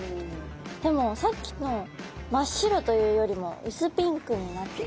でもさっきの真っ白というよりも薄ピンクになってきた。